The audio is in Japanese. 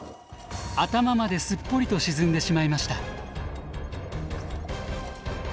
頭まですっぽりと沈んでしまいました。